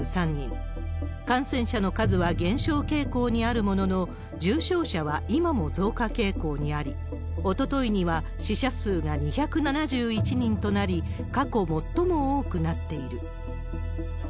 感染者の数は減少傾向にあるものの、重症者は今も増加傾向にあり、おとといには死者数が２７１人となり、過去最も多くなっている。